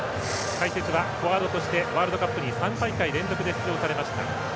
解説はフォワードとしてワールドカップに３大会連続で出場されました。